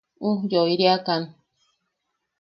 Ujyoiriakan.